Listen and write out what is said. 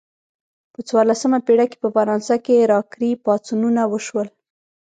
په څوارلسمه پیړۍ کې په فرانسه کې راکري پاڅونونه وشول.